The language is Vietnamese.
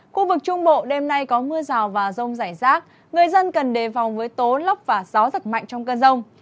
khu vực trung bộ đêm nay có mưa rào và rông rải rác người dân cần đề phòng với tố lốc và gió giật mạnh trong cơn rông